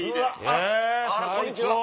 あらこんにちは。